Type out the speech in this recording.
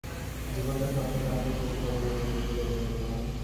জীবনটা সহসা তাহার কাছে অতি কাম্য উপভোগ্য বলিয়া মনে হয়।